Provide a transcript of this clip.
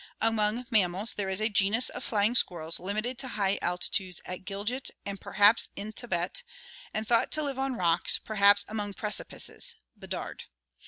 Among mammals there is a genus of flying squirrels limited to high altitudes at Gilgit and perhaps in Thibet, and thought to live on rocks, perhaps among precipices (Beddard).